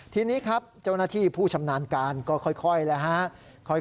ทีนี้ครับเจ้าหน้าที่ผู้ชำนาญการก็ค่อยแล้วฮะ